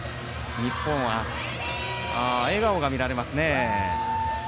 日本は笑顔が見られます。